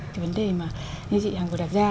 cái vấn đề mà như chị hằng vừa đặt ra